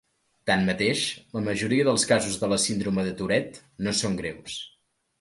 Tanmateix, la majoria dels casos de la síndrome de Tourette no són greus.